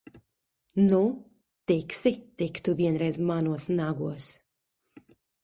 Nu, tiksi tik tu vienreiz manos nagos!